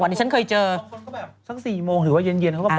มีพวกค้กคลักอยู่ดึก